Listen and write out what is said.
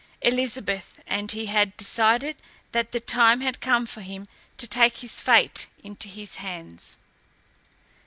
Elizabeth and he had decided that the time had come for him to take his fate into his hands.